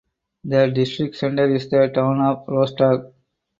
The district centre is the town of Rostaq.